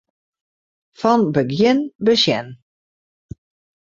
Fan begjin besjen.